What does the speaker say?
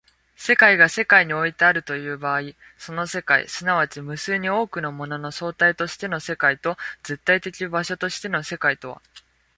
世界が世界においてあるという場合、その世界即ち無数に多くのものの総体としての世界と絶対的場所としての世界とは